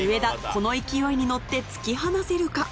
この勢いに乗って突き放せるか？